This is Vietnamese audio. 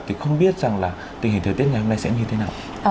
thì không biết rằng là tình hình thời tiết ngày hôm nay sẽ như thế nào